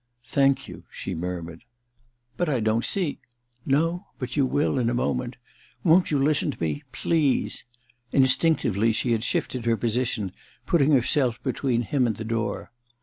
* Thank you,' she murmured. * But I don't see '* No — ^but you will — in a moment. Won't you listen to me ? Please !' Instinctively she had shifted her position, putting herself between him and the door.